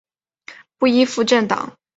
不依附政党！